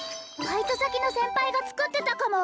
バイト先の先輩が作ってたかも！